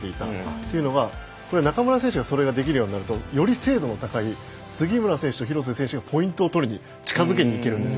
というのが中村選手がそれができるようになるとより精度の高い杉村選手と廣瀬選手がポイントを取りに近づけにいけるんです。